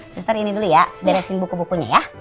suster ini dulu ya beresin buku bukunya ya